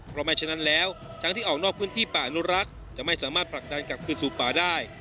เพราะไม่ฉะนั้นแล้วช้างที่ออกนอกพื้นที่ป่าอนุรักษ์จะไม่สามารถผลักดันกลับคืนสู่ป่าได้